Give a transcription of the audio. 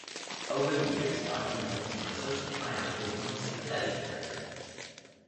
Over the years, Audrey mellows from a social climber to a more sympathetic character.